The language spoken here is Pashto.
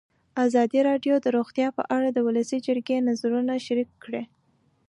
ازادي راډیو د روغتیا په اړه د ولسي جرګې نظرونه شریک کړي.